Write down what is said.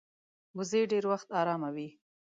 وزې ډېر وخت آرامه وي